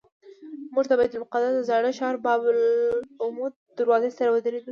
موږ د بیت المقدس د زاړه ښار باب العمود دروازې سره ودرېدو.